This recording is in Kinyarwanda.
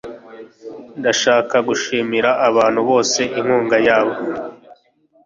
ndashaka gushimira abantu bose inkunga yabo